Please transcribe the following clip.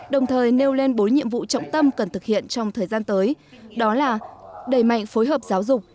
đồng thời nêu lên bốn nhiệm vụ trọng tâm cần thực hiện trong thời gian tới đó là đẩy mạnh phối hợp giáo dục